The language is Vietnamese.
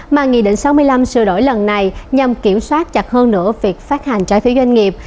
mà nghị định sáu mươi năm sửa đổi lần này nhằm kiểm soát chặt hơn nữa việc phát hành trái phiếu doanh nghiệp